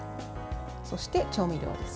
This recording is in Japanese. そして、調味料です。